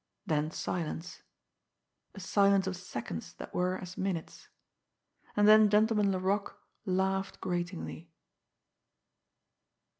Then silence a silence of seconds that were as minutes. And then Gentleman Laroque laughed gratingly.